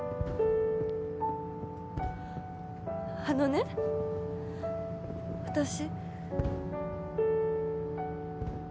あのね私。